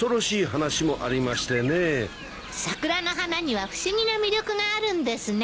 桜の花には不思議な魅力があるんですね。